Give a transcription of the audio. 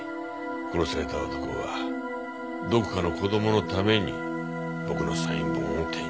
殺された男はどこかの子供のために僕のサイン本を手に入れた。